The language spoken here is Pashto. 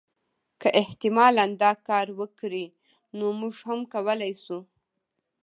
که احتمالا دا کار وکړي نو موږ هم کولای شو.